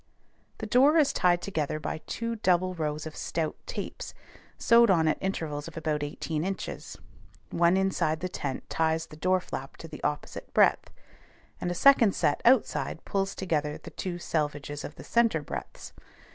The door is tied together by two double rows of stout tapes sewed on at intervals of about eighteen inches; one inside the tent ties the door flap to the opposite breadth, and a second set outside pulls together the two selvages of the centre breadths.